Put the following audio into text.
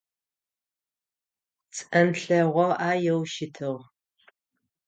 Цӏэнлъэгъо ӏаеу щытыгъ.